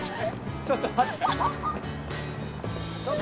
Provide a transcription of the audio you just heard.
ちょっと待って。